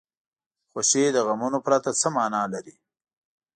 خوښي له غمونو پرته څه معنا لري.